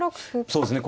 そうですね